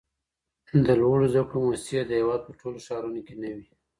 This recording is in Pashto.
د لوړو زده کړو موسسې د هېواد په ټولو ښارونو کي نه وي.